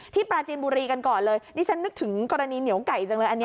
ปราจีนบุรีกันก่อนเลยนี่ฉันนึกถึงกรณีเหนียวไก่จังเลยอันนี้